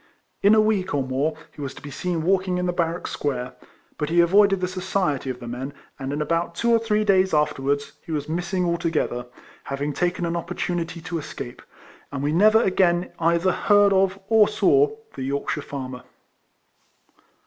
In a week or more he was to be seen walking in the barrack square; but he avoided the society of the men, and in about 120 RECOLLECTIONS OF two or three clays afterwards, lie was miss ing altogether, having taken an opportunity to escape; and we never again either heard of, or saw, the Yorkshire farmer.